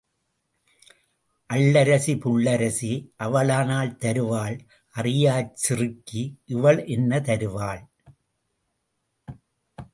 அள்ளரிசி புள்ளரிசி அவளானால் தருவாள் அறியாச் சிறுக்கி இவள் என்ன தருவாள்?